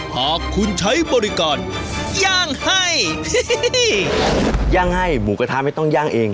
หากคุณใช้บริการย่างให้ย่างให้หมูกระทะไม่ต้องย่างเอง